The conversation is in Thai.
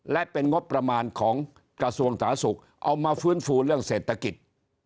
และเป็นงบประมาณของกระทรวงสาธารณสุขเอามาฟื้นฟูเรื่องเศรษฐกิจ